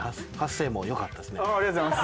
ありがとうございます。